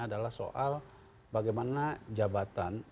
adalah soal bagaimana jabatan